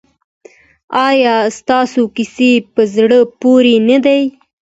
ایا ستاسو کیسې په زړه پورې نه دي؟